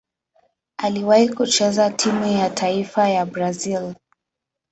Aliwahi kucheza timu ya taifa ya Brazil.